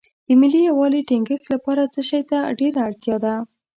د ملي یووالي ټینګښت لپاره څه شی ته ډېره اړتیا ده.